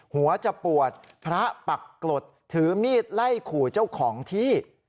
หัวจะปวดพระปักกรดถือมีดไล่ขู่เจ้าของที่